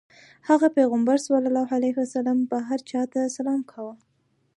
هغه ﷺ به هر چا ته سلام کاوه.